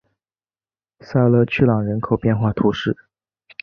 萨勒屈朗人口变化图示